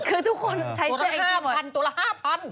คือทุกคนใส่เสื้อแอลจี้หมดปีตัวละ๕พันดิ